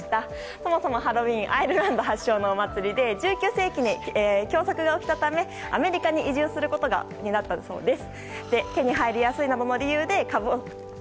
そもそもハロウィーンはアイルランド発祥のお祭りで１９世紀に凶作が起きたためアメリカに移住することになったといいます。